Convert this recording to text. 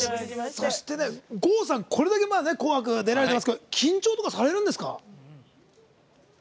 そして、郷さん、これだけ「紅白」出られてますけど緊張とかされるんですか？